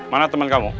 mana temen kamu